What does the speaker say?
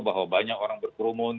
bahwa banyak orang berkerumun